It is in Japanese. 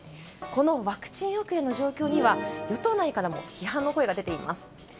このワクチン遅れへの状況には与党内からも批判が出ています。